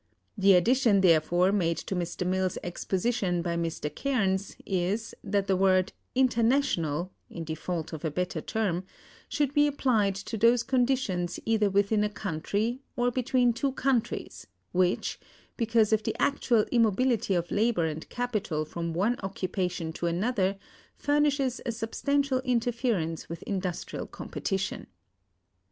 The addition, therefore, made to Mr. Mill's exposition by Mr. Cairnes(259) is, that the word "international" (in default of a better term) should be applied to those conditions either within a country, or between two countries, which, because of the actual immobility of labor and capital from one occupation to another, furnishes a substantial interference with industrial competition.